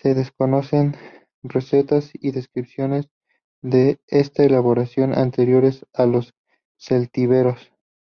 Se desconocen recetas y descripciones de esta elaboración anteriores a los celtíberos.